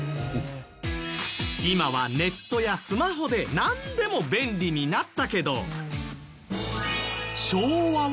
今はネットやスマホでなんでも便利になったけど。